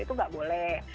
itu gak boleh